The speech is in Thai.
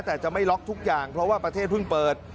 แต่จะไม่ล็อกทุกอย่างเพราะว่าประเทศเพิ่งเปิด